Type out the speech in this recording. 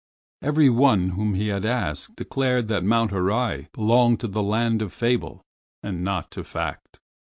Every one whom he had asked declared that Mount Horai belonged to the land of fable and not to fact.